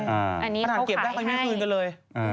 อันนี้เขาขายให้เก็บได้ควรไม่ได้คืนกันเลย